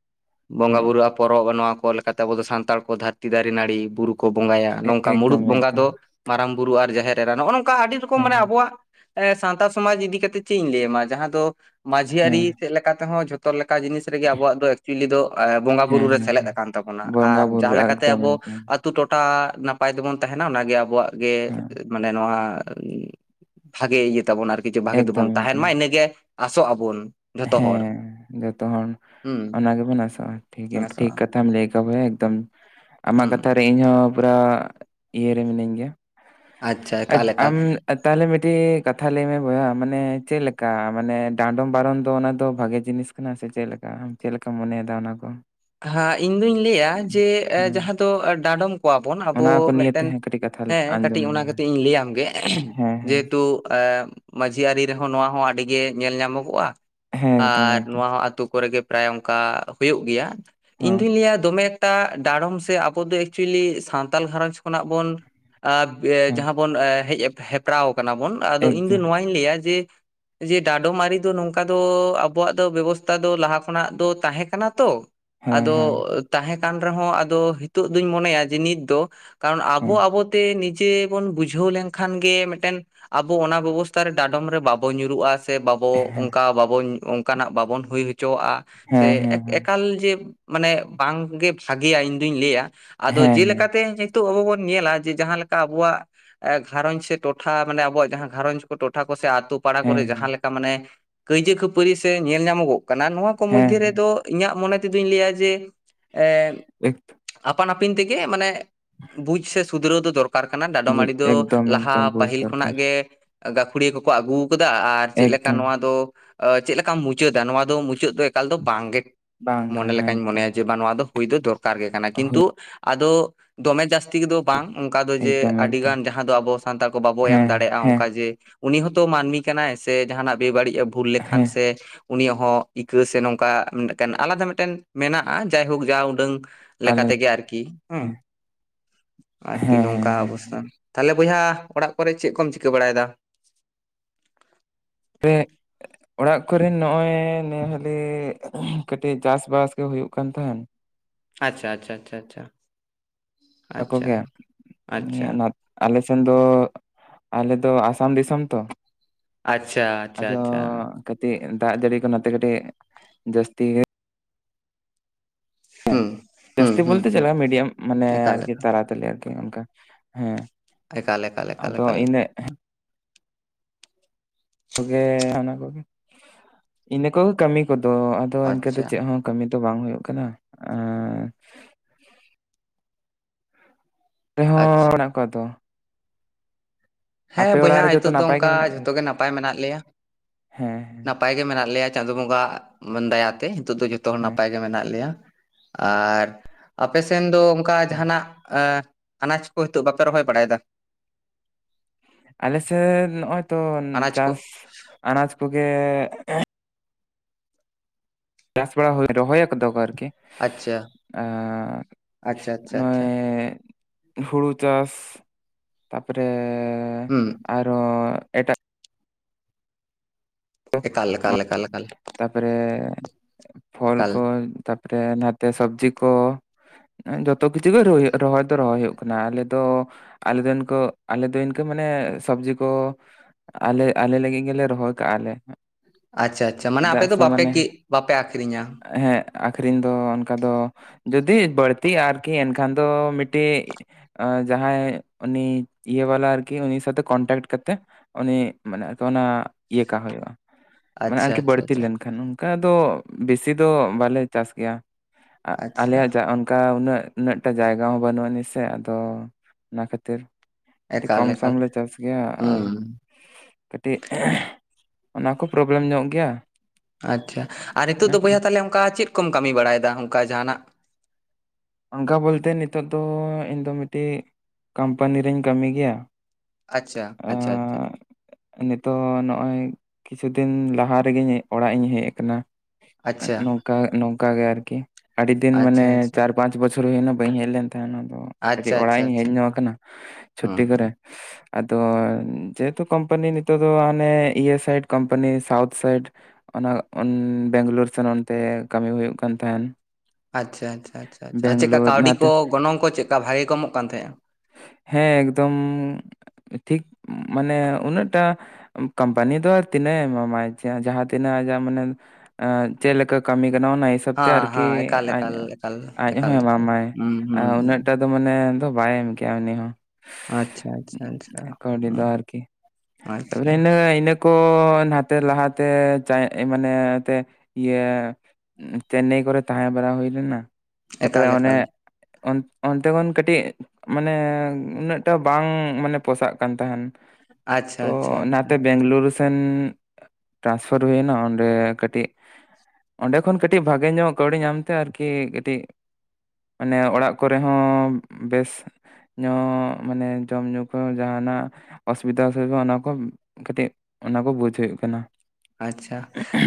ᱵᱚᱸᱜᱟ ᱦᱮᱸ ᱵᱩᱨᱩ ᱯᱚᱨᱚᱵᱽ ᱱᱚᱣᱟ ᱠᱚ ᱞᱮᱠᱟᱛᱮ ᱟᱵᱚ ᱫᱚ ᱥᱟᱱᱛᱟᱲ ᱠᱚ ᱫᱷᱟᱨᱛᱤ ᱫᱟᱨᱮ ᱱᱟᱹᱲᱤ ᱵᱩᱨᱩ ᱠᱚ ᱵᱚᱸᱜᱟᱭᱟ ᱮ- ᱱᱚᱝᱠᱟ ᱢᱩᱲᱩᱫ ᱮᱠᱫᱚᱢ ᱵᱚᱸᱜᱟ ᱮᱠᱫᱚᱢ ᱫᱚᱼᱼ ᱢᱟᱨᱟᱝ ᱵᱩᱨᱩ ᱟᱨ ᱡᱟᱦᱮᱨ ᱮᱨᱟ ᱱᱚᱜ-ᱚ ᱱᱚᱝᱠᱟ ᱟᱹᱰᱤ ᱨᱚᱠᱚᱢ ᱦᱮᱸ ᱢᱟᱱᱮ ᱦᱮᱸ ᱟᱵᱚᱣᱟᱜ-ᱼ ᱮᱸ ᱥᱟᱱᱛᱟᱲ ᱥᱚᱢᱟᱡᱽ ᱤᱫᱤ ᱠᱟᱛᱮ ᱪᱮ ᱤᱧ ᱞᱟᱹᱭ ᱟᱢᱟ ᱡᱟᱦᱟᱸ ᱫᱚ ᱢᱟᱹᱡᱷᱤ ᱟᱹᱨᱤ ᱦᱮᱸ ᱪᱮᱫ ᱞᱮᱠᱟ ᱛᱮᱦᱚᱸ ᱡᱷᱚ ᱛᱚ ᱞᱮᱠᱟ ᱡᱤᱱᱤᱥ ᱨᱮᱜᱮ ᱟᱵᱚᱣᱟᱜ ᱫᱚ ᱮᱠᱪᱩᱭᱞᱤ ᱫᱚ ᱵᱚᱸᱜᱟ ᱵᱩᱨᱩ ᱦᱮᱸ ᱦᱮᱸ ᱨᱮ ᱦᱮᱸ ᱥᱮᱞᱮᱫ ᱟᱠᱟᱱ ᱛᱟᱵᱚᱱᱟ ᱵᱚᱸᱜᱟ ᱟᱨ ᱵᱩᱨᱩ ᱡᱟᱦᱟᱸ ᱨᱮ ᱞᱮᱠᱟᱛᱮ ᱮᱠᱫᱚᱢ ᱟᱵᱚ ᱮᱠᱫᱚᱢ ᱟᱛᱩ ᱴᱚᱴᱷᱟ ᱱᱟᱯᱟᱭ ᱛᱮᱵᱚᱱ ᱛᱟᱦᱮᱱᱟ ᱚᱱᱟᱜᱮ ᱟᱵᱚᱣᱟᱜ ᱜᱮ ᱦᱮᱸ ᱢᱟᱱᱮ ᱱᱚᱣᱟ ᱵᱷᱟᱜᱮ ᱤᱭᱟᱹ ᱛᱟᱵᱚᱱ ᱟᱨ ᱠᱤ ᱡᱮ ᱵᱷᱟᱜᱮ ᱛᱮᱵᱚᱱ ᱮᱠᱫᱚᱢ ᱛᱟᱦᱮᱱ ᱮᱠᱫᱚᱢ ᱢᱟ ᱤᱱᱟᱹᱜᱮ ᱟᱥᱚᱜ ᱟᱵᱚᱱ ᱡᱷᱚᱛᱚ ᱦᱚᱲ ᱦᱮᱸ ᱡᱚᱛᱚ ᱦᱚᱱ ᱦᱩᱸ ᱚᱱᱟ ᱜᱮᱵᱚᱱ ᱟᱥᱟᱜ-ᱟ ᱴᱷᱤᱠ ᱜᱮ ᱟᱥᱚᱜᱼᱟ ᱴᱷᱤᱠ ᱠᱟᱛᱷᱟᱢ ᱞᱟᱹᱭ ᱠᱟ ᱵᱚᱭᱦᱟ ᱮᱠᱫᱚᱢ ᱟᱢᱟᱜ ᱦᱩᱸ ᱠᱟᱛᱷᱟ ᱨᱮ ᱤᱧ ᱦᱚᱸ ᱯᱩᱨᱟᱹ ᱤᱭᱟᱹ ᱨᱮ ᱢᱤᱱᱤᱧ ᱜᱮᱭᱟ ᱟᱪᱪᱷᱟ ᱮᱠᱟᱞ ᱮᱠᱟᱞ ᱟᱢ ᱛᱟᱦᱚᱞᱮ ᱢᱤᱴᱤᱡ ᱠᱟᱛᱷᱟ ᱞᱟᱹᱭ ᱢᱮ ᱵᱚᱭᱦᱟ ᱢᱟᱱᱮ ᱪᱮᱫ ᱞᱮᱠᱟ ᱢᱟᱱᱮ ᱰᱟᱸᱰᱚᱢ ᱵᱟᱨᱚᱱ ᱛᱚ ᱚᱱᱟᱫᱚ ᱵᱷᱟᱜᱮ ᱡᱤᱱᱤᱥ ᱠᱟᱱᱟ ᱥᱮ ᱪᱮᱫ ᱞᱮᱠᱟ ᱟᱢ ᱪᱮᱫ ᱞᱮᱠᱟᱢ ᱢᱚᱱᱮᱭᱫᱟ ᱚᱱᱟ ᱠᱚ ᱦᱟᱸ ᱤᱧᱫᱩᱧ ᱞᱟᱹᱭᱟ ᱡᱮ ᱦᱮᱸ ᱡᱟᱦᱟᱸ ᱫᱚ ᱰᱟᱸᱰᱚᱢ ᱠᱚᱣᱟ ᱵᱚᱱ ᱟᱵᱚ ᱚᱱᱟ ᱠᱚ ᱱᱤᱭᱮᱛᱮ ᱢᱮᱜᱴᱮᱱ ᱦᱮᱸ ᱠᱟᱹᱴᱤᱡ ᱠᱟᱛᱷᱟ ᱦᱮᱸ ᱟᱸᱡᱚᱢ ᱠᱟᱹᱴᱤᱡ ᱚᱱᱟ ᱢᱮ ᱠᱟᱛᱮᱤᱧ ᱞᱟᱹᱭᱟᱢ ᱜᱮ ᱦᱮᱸ ᱦᱮᱸ ᱡᱮᱦᱮᱛᱩ ᱢᱟᱺᱡᱷᱤ ᱟᱹᱨᱤ ᱨᱮᱦᱚᱸ ᱱᱚᱣᱟ ᱦᱚᱸ ᱟᱹᱰᱤᱜᱮ ᱧᱮᱞ ᱧᱟᱢᱚᱜᱚᱜ-ᱟ ᱦᱮᱸ ᱮᱠᱫᱚᱢ ᱟᱨ ᱮᱠᱫᱚᱢ ᱱᱚᱣᱟ ᱦᱚᱸ ᱟᱛᱳ ᱠᱚᱨᱮ ᱜᱮ ᱯᱨᱟᱭ ᱚᱝᱠᱟ ᱦᱩᱭᱩᱜ ᱜᱮᱭᱟ ᱤᱧ ᱦᱮᱸ ᱫᱩᱧ ᱞᱟᱹᱭᱟ ᱫᱚᱢᱮ ᱴᱟᱜ ᱰᱟᱲᱚᱢ ᱥᱮ ᱟᱵᱚ ᱫᱚ ᱮᱠᱪᱩᱭᱞᱤ ᱥᱟᱱᱛᱟᱞ ᱜᱷᱟᱨᱚᱸᱡᱽ ᱠᱷᱚᱱᱟᱜ ᱵᱚᱱ ᱟᱸ ᱦᱮᱸ ᱡᱟᱦᱟᱸ ᱵᱚᱱ ᱦᱮᱡ ᱦᱮᱯᱨᱟᱣ ᱠᱟᱱᱟ ᱵᱚᱱ ᱟᱫᱚ ᱤᱧ ᱫᱚ ᱮᱠᱫᱚᱢ ᱱᱚᱣᱟᱧ ᱞᱟᱹᱭᱟ ᱡᱮ ᱡᱮ ᱰᱟᱸᱰᱚᱢ ᱟᱹᱨᱤ ᱫᱚ ᱱᱚᱝᱠᱟ ᱫᱚ ᱟᱵᱚᱣᱟᱜ ᱫᱚ ᱵᱮᱵᱚᱥᱛᱟ ᱫᱚ ᱞᱟᱦᱟ ᱠᱷᱚᱱᱟᱜ ᱫᱚ ᱛᱟᱦᱮᱸ ᱠᱟᱱᱟ ᱛᱚ ᱦᱮᱸ ᱟᱫᱚ ᱦᱮᱸ ᱛᱟᱦᱮᱸ ᱠᱟᱱ ᱨᱮᱦᱚᱸ ᱟᱫᱚ ᱦᱤᱛᱚᱜ ᱫᱩᱧ ᱢᱚᱱᱮᱭᱟ ᱡᱮ ᱱᱤᱛ ᱫᱚ ᱠᱟᱨᱚᱱ ᱟᱵᱚ ᱦᱮᱸ ᱟᱵᱚᱛᱮ ᱱᱤᱡ ᱡᱮ ᱵᱚᱱ ᱵᱩᱡᱷᱟᱹᱣ ᱞᱮᱝᱠᱷᱟᱱ ᱜᱮ ᱢᱮᱫᱴᱮᱱ ᱟᱵᱚ ᱚᱱᱟ ᱵᱮᱵᱚᱥᱛᱟ ᱨᱮ ᱰᱟᱰᱚᱢ ᱨᱮ ᱵᱟᱵᱚ ᱧᱩᱨ-ᱟ ᱥᱮ ᱵᱟᱵᱚ ᱦᱮᱸ ᱚᱱᱠᱟ ᱵᱟᱵᱚᱱ ᱚᱱᱠᱟᱱᱟᱜ ᱵᱟᱵᱚᱱ ᱦᱩᱭ ᱦᱚᱪᱚᱣᱟᱜ-ᱟ ᱥᱮ ᱦᱮᱸ, ᱦᱮᱸ, ᱦᱮᱸ, ᱮᱠᱟᱞ ᱡᱮ ᱢᱟᱱᱮ ᱵᱟᱝᱜᱮ ᱵᱷᱟᱜᱮᱭᱟ ᱤᱧ ᱫᱩᱧ ᱞᱟᱹᱭᱟ ᱟᱫᱚ ᱦᱮᱸ, ᱡᱮᱞᱮᱠᱟ ᱛᱮ ᱛᱚ ᱟᱵᱚ ᱵᱚᱱ ᱧᱮᱞᱟ ᱡᱮ ᱡᱟᱦᱟᱸ ᱞᱮᱠᱟ ᱟᱵᱚᱣᱟᱜ ᱮ ᱜᱷᱟᱨᱚᱸᱡᱽ ᱥᱮ ᱴᱚᱴᱷᱟ ᱢᱟᱱᱮ ᱟᱵᱚᱣᱟᱜ ᱡᱟᱦᱟᱸ ᱜᱷᱟᱨᱚᱸᱡᱽ ᱠᱚ ᱴᱚᱴᱷᱟ ᱠᱚ ᱥᱮ ᱟᱛᱳ ᱯᱟᱲᱟ ᱠᱚᱨᱮ ᱦᱮᱸ, ᱦᱮᱸ, ᱡᱟᱦᱟᱸ ᱞᱮᱠᱟ ᱢᱟᱱᱮ ᱠᱟᱹᱭᱡᱟᱹ ᱠᱷᱟᱹᱯᱟᱹᱨᱤ ᱥᱮ ᱧᱮᱞ ᱧᱟᱢᱚᱜᱚᱜ ᱠᱟᱱᱟ ᱱᱚᱣᱟ ᱠᱚ ᱦᱮᱸ, ᱢᱚᱫᱽᱫᱷᱮ ᱦᱮᱸ, ᱨᱮᱫᱚ ᱤᱧᱟᱹᱜ ᱢᱚᱱᱮ ᱛᱮᱫᱚᱧ ᱞᱟᱹᱭᱟ ᱡᱮ ᱮ ᱮᱠ ᱟᱯᱟᱱ ᱟᱹᱯᱤᱱ ᱛᱮᱜᱮ ᱢᱟᱱᱮ ᱵᱩᱡᱽ ᱥᱮ ᱥᱩᱫᱷᱨᱟᱹᱣ ᱫᱚ ᱫᱚᱨᱠᱟᱨ ᱠᱟᱱᱟ ᱰᱟᱸᱰᱟᱢ ᱵᱩᱡ ᱟᱹᱨᱤ ᱫᱚ ᱮᱠᱫᱚᱢ ᱞᱟᱦᱟ ᱮᱠᱫᱚᱢ ᱵᱩᱡᱽ ᱯᱟᱹᱦᱤᱞ ᱠᱷᱚᱱᱟᱜ ᱫᱚᱨᱠᱟᱨ ᱜᱮ ᱜᱟᱹᱠᱷᱩᱲᱤᱭᱟᱹ ᱠᱚᱠᱚ ᱟᱹᱜᱩ ᱟᱠᱟᱫᱟ ᱟᱨ ᱪᱮᱫᱞᱮᱠᱟ ᱮᱠᱫᱚᱢ ᱱᱚᱣᱟ ᱫᱚ ᱪᱮᱫ ᱞᱮᱠᱟᱢ ᱢᱩᱪᱟᱹᱫᱟ ᱱᱚᱣᱟ ᱫᱚ ᱢᱩᱪᱟᱹᱫ ᱫᱚ ᱮᱠᱟᱞ ᱫᱚ ᱵᱟᱝᱜᱮ- ᱵᱟᱝᱼᱟ ᱢᱚᱱᱮ ᱦᱮᱸ ᱞᱮᱠᱟᱧ ᱮᱠᱫᱚᱢ ᱢᱚᱱᱮᱭᱟ ᱡᱮ ᱵᱟᱝ ᱱᱚᱣᱟ ᱫᱚ ᱦᱩᱭ ᱫᱚ ᱫᱚᱨᱠᱟᱨ ᱜᱮ ᱠᱟᱱᱟ ᱦᱳᱭ ᱠᱤᱱᱛᱩ ᱟᱫᱚ ᱫᱚᱢᱮ ᱡᱟᱹᱥᱛᱤ ᱡᱟᱹᱥᱛᱤ ᱫᱚ ᱵᱟᱝ ᱚᱱᱠᱟ ᱫᱚ ᱡᱮ ᱮᱠᱫᱚᱢ ᱟᱹᱰᱤ ᱮᱠᱫᱚᱢ ᱜᱟᱱ ᱡᱟᱦᱟᱸ ᱫᱚ ᱟᱵᱚ ᱥᱟᱱᱛᱟᱲ ᱠᱚ ᱵᱟᱵᱚ ᱮᱢ ᱦᱮᱸ, ᱫᱟᱲᱮᱜᱼᱟ ᱦᱮᱸ, ᱚᱱᱠᱟ ᱡᱮ ᱩᱱᱤ ᱦᱚᱸᱛᱚ ᱢᱟᱹᱱᱢᱤ ᱠᱟᱱᱟᱭ ᱥᱮ ᱡᱟᱦᱟᱱᱟᱜ ᱵᱮᱵᱟᱹᱲᱤᱡ ᱮ ᱵᱷᱩᱞ ᱞᱮᱠᱷᱟᱱ ᱦᱮᱸ, ᱥᱮ ᱩᱱᱤᱭᱟᱜ ᱦᱚᱸ ᱤᱠᱟᱹ ᱥᱮ ᱱᱚᱝᱠᱟ ᱢᱤᱫᱴᱟᱱ ᱟᱞᱟᱫᱟ ᱢᱤᱫᱴᱮᱱ ᱢᱮᱱᱟᱜᱼᱟ ᱡᱟᱭᱦᱳᱠ ᱡᱟ ᱩᱰᱟᱹᱝ ᱞᱮᱠᱟ ᱟᱞᱮ ᱛᱮᱜᱮ ᱟᱨᱠᱤ ᱦᱮᱸ ᱟᱨᱠᱤ ᱦᱮᱸ, ᱦᱮᱸ, ᱱᱚᱝᱠᱟ ᱦᱮᱸ, ᱦᱮᱸ᱾ ᱚᱵᱚᱥᱛᱷᱟ ᱛᱟᱦᱚᱞᱮ ᱵᱚᱭᱦᱟ ᱚᱲᱟᱜ ᱠᱚᱨᱮ ᱪᱮᱫ ᱠᱚᱢ ᱪᱤᱠᱟᱹ ᱵᱟᱲᱟᱭᱮᱫᱟ? ᱯᱮ ᱚᱲᱟᱜ ᱠᱚᱨᱮᱱ ᱱᱚᱜᱼᱚᱭ ᱱᱮ ᱦᱟᱹᱞᱤ ᱠᱟᱹᱴᱤᱡ ᱪᱟᱥ ᱵᱟᱥ ᱜᱮ ᱦᱩᱭᱩᱜ ᱠᱟᱱ ᱛᱟᱦᱮᱱ ᱟᱪᱪᱷᱟ ᱟᱪᱪᱷᱟ ᱟᱪᱪᱷᱟ ᱟᱪᱪᱷᱟ ᱟᱠᱚ ᱟᱪᱪᱷᱟ ᱜᱮ ᱟᱪᱪᱷᱟ ᱱᱤᱭᱟᱹ ᱟᱞᱮ ᱥᱮᱱ ᱫᱚ ᱟᱞᱮ ᱫᱚ ᱟᱥᱟᱢ ᱫᱤᱥᱚᱢ ᱛᱚ ᱟᱪᱪᱷᱟ ᱟᱪᱪᱷᱟ ᱟᱫᱚ ᱟᱪᱪᱷᱟ ᱠᱟᱹᱴᱤᱡ ᱫᱟᱜ ᱡᱟᱹᱲᱤ ᱠᱚ ᱱᱚᱛᱮ ᱠᱟᱹᱴᱤᱡ ᱡᱟᱹᱥᱛᱤ ᱜᱮ ᱦᱩᱸ ᱦᱩᱸ ᱡᱟᱹᱥᱛᱤ ᱦᱩᱸ ᱵᱚᱞᱛᱮ ᱪᱮᱫᱟᱜ ᱦᱩᱸ ᱞᱮᱠᱟ ᱢᱤᱰᱤᱭᱟᱢ ᱢᱟᱱᱮ ᱮᱠᱟᱞ ᱟᱨᱠᱤ ᱛᱟᱲᱟᱛᱟᱲᱤ ᱟᱨᱠᱤ ᱚᱱᱠᱟ ᱦᱮᱸ ᱮᱠᱟᱞ ᱮᱠᱟᱞ ᱮᱠᱟᱞ ᱟᱫᱚ ᱮᱠᱟᱞ ᱤᱱᱟᱹ ᱤᱱᱟᱹ ᱠᱚᱜᱮ ᱠᱟᱹᱢᱤ ᱠᱚᱫᱚ ᱟᱫᱚ ᱤᱱᱠᱟᱹ ᱫᱚ ᱟᱪᱪᱷᱟ ᱪᱮᱫ ᱦᱚᱸ ᱠᱟᱹᱢᱤ ᱫᱚ ᱵᱟᱝ ᱦᱩᱭᱩᱜ ᱠᱟᱱᱟ ᱟᱨ ᱟᱪᱪᱷᱟ ᱨᱮᱦᱚᱸ ᱚᱲᱟᱜ ᱠᱚᱣᱟ ᱫᱚ ᱦᱮᱸ ᱚᱲᱟᱜ ᱵᱚᱭᱦᱟ ᱨᱮ ᱡᱚᱛᱚ ᱱᱤᱛᱚᱜ ᱫᱚ ᱱᱟᱯᱟᱭ ᱜᱮ ᱚᱱᱠᱟ ᱢᱮᱱᱟᱜ ᱯᱮᱭᱟ ᱡᱷᱚᱛᱚ ᱛᱚ ᱜᱮ ᱱᱟᱯᱟᱭ ᱢᱮᱱᱟᱜ ᱞᱮᱭᱟ᱾ ᱦᱮᱸ ᱱᱟᱯᱟᱭ ᱜᱮ ᱢᱮᱱᱟᱜ ᱞᱮᱭᱟ ᱪᱟᱸᱫᱳ ᱵᱚᱸᱜᱟ ᱢᱮᱱ ᱫᱟᱭᱟᱛᱮ ᱱᱤᱛᱚᱜ ᱫᱚ ᱡᱚᱛᱚ ᱦᱚᱲ ᱦᱮᱸ ᱱᱟᱯᱟᱭ ᱜᱮ ᱢᱮᱱᱟᱜ ᱞᱮᱭᱟ᱾ ᱟᱨ ᱟᱯᱮ ᱥᱮᱱ ᱫᱚ ᱚᱱᱠᱟ ᱦᱮᱸ ᱡᱟᱦᱟᱱᱟᱜ ᱮ ᱟᱱᱟᱡᱽ ᱠᱚ ᱦᱤᱛᱚᱜ ᱵᱟᱯᱮ ᱨᱚᱦᱚᱭ ᱵᱟᱲᱟᱭ ᱫᱟ ᱟᱞᱮᱥᱮᱫ ᱱᱚᱜᱼᱚᱭ ᱛᱚ ᱟᱱᱟᱡ ᱠᱚ ᱪᱟᱥ ᱟᱱᱟᱡ ᱠᱚᱜᱮ ᱪᱟᱥ ᱵᱟᱲᱟ ᱦᱩᱭ ᱨᱚᱦᱚᱭ ᱠᱟᱫᱟ ᱠᱚ ᱟᱨᱠᱤ ᱟᱪᱪᱷᱟ ᱟᱨ ᱟᱪᱪᱷᱟ ᱟᱪᱪᱷᱟ ᱟᱪᱪᱷᱟ ᱱᱚᱜᱼᱚᱭ ᱦᱩᱲᱩ ᱪᱟᱥ ᱛᱟᱯᱚᱨᱮ ᱦᱩᱸ ᱟᱨᱚ ᱮᱴᱟᱜ ᱮᱠᱟᱞ ᱮᱠᱟᱞ ᱮᱠᱟᱞ ᱮᱠᱟᱞ ᱛᱟᱨᱯᱚᱨᱮ ᱯᱷᱚᱞ ᱮᱠᱟᱞ ᱠᱚ ᱛᱟᱨᱯᱚᱨᱮ ᱱᱟᱛᱮ ᱥᱚᱵᱽᱡᱤ ᱠᱚ ᱡᱚᱛᱚ ᱠᱤᱪᱷᱩ ᱜᱮ ᱨᱚᱦᱚᱭ ᱫᱚ ᱨᱚᱦᱚᱭ ᱦᱩᱭᱩᱜ ᱠᱟᱱᱟ ᱟᱞᱮ ᱫᱚ ᱟᱞᱮ ᱫᱚ ᱤᱱᱠᱟᱹ ᱟᱞᱮ ᱫᱚ ᱤᱱᱠᱟᱹ ᱢᱟᱱᱮ ᱥᱚᱵᱽᱡᱤ ᱠᱚ ᱟᱞᱮ ᱟᱞᱮ ᱞᱟᱹᱜᱤᱫ ᱜᱮᱞᱮ ᱨᱚᱦᱚᱭ ᱠᱟᱜᱼᱟ ᱞᱮ ᱟᱪᱪᱷᱟ ᱟᱪᱪᱷᱟ ᱢᱟᱱᱮ ᱟᱯᱮ ᱪᱮᱫᱟᱜ ᱫᱚ ᱥᱮ ᱵᱟᱯᱮ ᱠᱤ ᱵᱟᱯᱮ ᱟᱠᱷᱨᱤᱧᱟ᱾ ᱟᱹᱠᱷᱨᱤᱧ ᱫᱚ ᱚᱱᱠᱟ ᱫᱚ ᱡᱩᱫᱤ ᱵᱟᱹᱲᱛᱤᱜᱼᱟ ᱟᱨᱠᱤ ᱮᱱᱠᱷᱟᱱ ᱫᱚ ᱢᱤᱫᱴᱤᱡ ᱡᱟᱦᱟᱸᱭ ᱩᱱᱤ ᱤᱭᱟᱹ ᱵᱟᱞᱟ ᱟᱨᱠᱤ ᱩᱱᱤ ᱥᱟᱛᱮᱜ ᱠᱚᱱᱴᱮᱠᱴ ᱠᱟᱛᱮᱫ ᱩᱱᱤ ᱢᱟᱱᱮ ᱚᱱᱟ ᱤᱭᱟᱹᱠᱟ ᱦᱩᱭᱩᱜᱼᱟ᱾ ᱢᱟᱱᱮ ᱟᱪᱪᱷᱟ ᱟᱨᱠᱤ ᱟᱪᱪᱷᱟ ᱵᱟᱹᱲᱛᱤ ᱟᱪᱪᱷᱟ ᱞᱮᱱᱠᱷᱟᱱ ᱚᱱᱠᱟ ᱫᱚ ᱵᱮᱥᱤ ᱫᱚ ᱵᱟᱞᱮ ᱪᱟᱥ ᱜᱮᱭᱟ᱾ ᱟᱪᱪᱷᱟ ᱟᱞᱮᱭᱟᱜ ᱡᱟ ᱚᱱᱠᱟ ᱩᱱᱟᱹᱜ ᱩᱱᱟᱹᱜ ᱴᱟ ᱡᱟᱭᱜᱟ ᱦᱚᱸ ᱵᱟᱹᱱᱩᱜ ᱟᱹᱱᱤᱡ ᱥᱮ ᱟᱫᱚ ᱚᱱᱟ ᱠᱷᱟᱹᱛᱤᱨ ᱟᱹᱰᱤ ᱮᱠᱟᱞ ᱠᱚᱢ ᱮᱠᱟᱞ ᱥᱚᱢᱞᱮ ᱪᱟᱥ ᱜᱮᱭᱟ ᱟᱨ ᱦᱩᱸ ᱠᱟᱹᱴᱤᱡ ᱚᱱᱟ ᱠᱚ ᱯᱨᱚᱵᱞᱮᱢ ᱧᱚᱜ ᱜᱮᱭᱟ᱾ ᱟᱪᱪᱷᱟ ᱟᱨ ᱱᱤᱛᱚᱜ ᱚᱱᱟ ᱫᱚ ᱯᱨᱚ ᱵᱚᱭᱦᱟ ᱛᱟᱞᱚᱦᱮ ᱚᱱᱠᱟ ᱪᱮᱫ ᱠᱚᱢ ᱠᱟᱹᱢᱤ ᱵᱟᱲᱟᱭᱮᱫᱟ ᱚᱱᱠᱟ ᱡᱟᱦᱟᱱᱟᱜ ᱚᱱᱠᱟ ᱵᱚᱞᱛᱮ ᱱᱤᱛᱚᱜ ᱫᱚ ᱤᱧ ᱫᱚ ᱢᱤᱫᱴᱤᱡ ᱠᱳᱢᱯᱟᱱᱤ ᱨᱤᱧ ᱠᱟᱹᱢᱤ ᱜᱮᱭᱟ᱾ ᱟᱪᱪᱷᱟ ᱟᱪᱪᱷᱟ ᱟᱪᱪᱷᱟ ᱱᱤᱛᱚᱜ ᱱᱚᱜᱼᱚᱭ ᱠᱤᱪᱷᱩ ᱫᱤᱱ ᱞᱟᱦᱟ ᱨᱮᱜᱮ ᱚᱲᱟᱜ ᱤᱧ ᱦᱮᱡ ᱟᱠᱟᱱᱟ᱾ ᱟᱪᱪᱷᱟ ᱠᱟ ᱱᱚᱱᱠᱟ ᱱᱚᱝᱠᱟ ᱜᱮ ᱟᱨᱠᱤ ᱟᱰᱤ ᱫᱤᱱ ᱢᱟᱱᱮ ᱟᱪᱪᱷᱟ ᱟᱪᱪᱷᱟ ᱪᱟᱨ ᱯᱟᱸᱪ ᱵᱚᱪᱷᱚᱨ ᱦᱩᱭᱱᱟ ᱵᱟᱹᱧ ᱦᱮᱡ ᱞᱮᱱ ᱛᱟᱦᱮᱱᱟ ᱫᱚ ᱠᱟᱹᱴᱤᱡ ᱚᱲᱟᱜ ᱟᱪᱪᱷᱟ ᱤᱧ ᱦᱮᱡ ᱟᱪᱪᱷᱟ ᱧᱚᱜ ᱟᱪᱪᱷᱟ ᱟᱠᱟᱱᱟ ᱦᱩᱸ ᱪᱷᱩᱴᱤ ᱠᱚᱨᱮ [inaudible] ᱟᱫᱚ ᱡᱮᱦᱮᱛᱩ ᱠᱚᱢᱯᱟᱱᱤ ᱱᱤᱛᱚᱜ ᱫᱚ ᱦᱟᱱᱮ ᱤᱭᱟᱹ ᱥᱟᱭᱮᱰ ᱠᱳᱢᱯᱟᱱᱤ ᱥᱟᱣᱩᱛᱷ ᱥᱟᱭᱤᱰ ᱚᱱᱟ ᱚᱱ ᱵᱮᱝᱜᱞᱳᱨ ᱥᱳᱱ ᱚᱱᱛᱮ ᱠᱟᱢᱤ ᱦᱩᱭᱩᱜ ᱠᱟᱱ ᱛᱟᱦᱮᱱ, ᱟᱪᱪᱷᱟ ᱟᱪᱪᱷᱟ ᱟᱪᱷᱟᱷᱟ, ᱪᱮᱫᱠᱟ ᱠᱟᱣᱰᱤ ᱱᱟᱛᱮ ᱠᱚ ᱜᱚᱱᱚᱝ ᱠᱚ ᱪᱮᱫ ᱞᱮᱠᱟ ᱵᱷᱟᱜᱮ ᱠᱚ ᱮᱢᱚᱜ ᱠᱟᱱ ᱛᱟᱦᱮᱸᱼᱟ? ᱦᱮᱸ ᱮᱠᱫᱚᱢ ᱴᱷᱤᱠ ᱢᱟᱱᱮ ᱩᱱᱟᱹᱜ ᱴᱟ ᱠᱳᱢᱯᱟᱱᱤ ᱫᱚ ᱛᱤᱱᱟᱹᱜ ᱮᱢᱟᱢᱟᱭ ᱡᱟᱦᱟᱸ ᱛᱤᱱᱟᱹᱜ ᱟᱡᱟᱜ ᱢᱟᱱᱮ ᱟ ᱪᱮᱫ ᱞᱮᱠᱟ ᱠᱟᱢᱤ ᱠᱟᱱᱟ ᱚᱱᱟ ᱦᱤᱥᱟᱹᱵ ᱛᱮ ᱦᱮᱸ ᱟᱨᱠᱤ ᱦᱮᱸ ᱮᱠᱟᱞ ᱟᱡ ᱮᱠᱟᱞ ᱮᱠᱟᱞ ᱟᱡ ᱮᱠᱟᱞ ᱦᱚᱸᱭ ᱮᱠᱟᱞ ᱮᱢᱟᱢᱟᱭ, ᱦᱩᱸ ᱟ ᱦᱩᱸ ᱩᱱᱟᱹᱜ ᱴᱟ ᱫᱚ ᱢᱟᱱᱮ ᱫᱚ ᱵᱟᱭ ᱮᱢ ᱠᱮᱭᱟ ᱩᱱᱤ ᱦᱚᱸ᱾ ᱟᱪᱪᱷᱟ ᱟᱪᱪᱷᱟ ᱟᱪᱪᱷᱟ ᱠᱟᱣᱰᱤ ᱫᱚ ᱦᱩᱸ, ᱟᱨᱠᱤ, ᱟᱪᱪᱷᱟ [unintelligible] ᱤᱱᱟᱹ ᱠᱚ ᱱᱟᱛᱷᱮ ᱞᱟᱦᱟᱛᱮ ᱢᱟᱱᱮ ᱮᱱᱛᱮ ᱤᱭᱟᱹ ᱪᱮᱱᱱᱟᱭ ᱠᱚᱨᱮ ᱛᱟᱦᱮᱸ ᱵᱟᱨᱟ ᱦᱩᱭ ᱞᱮᱱᱟ᱾ ᱛᱟᱯᱚᱨᱮ ᱮᱠᱟᱞ ᱚᱱᱮ ᱮᱠᱟᱞ ᱚᱱᱼᱚᱱᱛᱮ ᱠᱷᱚᱱ ᱠᱟᱹᱴᱤᱡ ᱢᱟᱱᱮ ᱩᱱᱟᱹᱜᱼᱴᱟ ᱵᱟᱝ ᱢᱟᱱᱮ ᱯᱚᱥᱟᱜ ᱠᱟᱱ ᱛᱟᱦᱮᱱ᱾ ᱟᱪᱪᱷᱟ ᱛᱚ ᱟᱪᱪᱷᱟ ᱟᱪᱪᱷᱟ ᱱᱟᱛᱮ ᱵᱮᱝᱞᱩ ᱨᱥ ᱥᱮᱸᱱ ᱴᱨᱟᱱᱥᱯᱷᱟᱨ ᱦᱩᱭᱱᱟ ᱚᱸᱰᱮ ᱠᱟᱹᱴᱤᱡ ᱚᱸᱰᱮ ᱠᱷᱚᱱ ᱠᱟᱹᱴᱤᱡ ᱵᱷᱟᱜᱮ ᱧᱚᱜ ᱠᱟᱹᱣᱰᱤ ᱧᱟᱢ ᱛᱮ ᱟᱨᱠᱤ ᱠᱟᱹᱴᱤᱡ᱾ ᱢᱟᱱᱮ ᱚᱲᱟᱜ ᱠᱚᱨᱮ ᱦᱚᱸ ᱵᱮᱥ ᱧᱳᱜ ᱢᱟᱱᱮ ᱡᱚᱢ ᱧᱩᱸ ᱠᱚ ᱡᱟᱦᱟᱱᱟᱜ ᱚᱥᱩᱵᱤᱛᱟ ᱥᱮ ᱚᱱᱟ ᱠᱚ ᱠᱟᱹᱴᱤᱡ ᱚᱱᱟ ᱠᱚ ᱵᱩᱡᱽ ᱦᱩᱭᱩᱜ ᱠᱟᱱᱟ᱾ ᱟᱪᱪᱷᱟ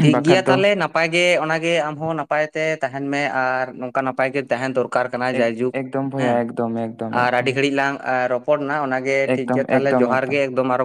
ᱴᱷᱤᱠ ᱜᱮᱭᱟ ᱵᱟᱠᱷᱟᱡ ᱫᱚ ᱛᱟᱦᱞᱮ ᱱᱟᱯᱟᱭ ᱜᱮ ᱚᱱᱟ ᱜᱮ ᱟᱢᱦᱚᱸ ᱱᱟᱯᱟᱭ ᱛᱮ ᱛᱟᱦᱮᱱ ᱢᱮ᱾ ᱟᱨ ᱱᱚᱠᱟ ᱱᱟᱯᱟᱭ ᱜᱮ ᱛᱟᱦᱮᱸᱱ ᱫᱚᱨᱠᱟᱨ ᱠᱟᱱᱟ ᱮᱠ ᱡᱟᱭᱡᱩᱜᱽ, ᱮᱠᱫᱚᱢ ᱵᱷᱚᱭᱟ ᱦᱮᱸ ᱮᱠᱫᱚᱢ ᱮᱠᱫᱚᱢ ᱟᱨ ᱟᱹᱰᱤ ᱮᱠᱫᱚᱢ ᱜᱷᱟᱹᱲᱤᱡ ᱞᱟᱝ ᱟᱨ ᱨᱚ ᱨᱚᱯᱚᱲᱱᱟ ᱚᱱᱟ ᱜᱮ ᱴᱷᱤᱠ ᱮᱠᱫᱚᱢ ᱜᱮᱭᱟ ᱛᱟᱦᱚᱞᱮ ᱮᱠᱫᱚᱢ ᱡᱚᱦᱟᱨ ᱜᱮ ᱮᱠᱫᱚᱢ ᱟᱨ